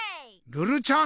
ルルちゃん。